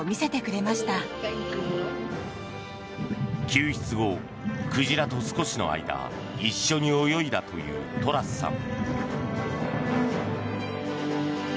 救出後、鯨と少しの間一緒に泳いだというトラスさん。